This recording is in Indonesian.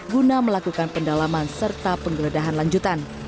guna melakukan pendalaman serta penggeledahan lanjutan